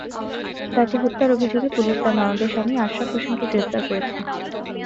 তাঁকে হত্যার অভিযোগে পুলিশ তাঁর ননদের স্বামী আশরাফ হোসেনকে প্রেপ্তার করেছে।